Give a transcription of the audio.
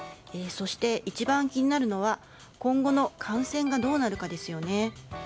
そして、一番気になるのは今後の感染がどうなるかですよね。